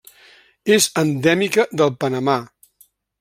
És endèmica del Panamà.